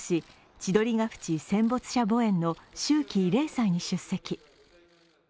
千鳥ヶ淵戦没者墓苑の秋季慰霊祭に出席。